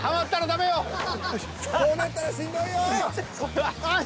こうなったらしんどいよ。